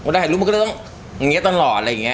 ได้ถ่ายรูปมันก็จะต้องอย่างนี้ตลอดอะไรอย่างนี้